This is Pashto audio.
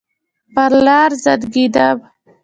پر لار زنګېدم.